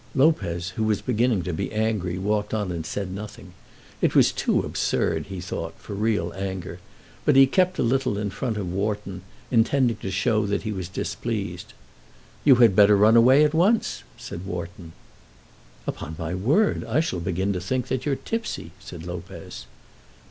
Lopez, who was beginning to be angry, walked on and said nothing. It was too absurd, he thought, for real anger, but he kept a little in front of Wharton, intending to show that he was displeased. "You had better run away at once," said Wharton. "Upon my word, I shall begin to think that you're tipsy," said Lopez.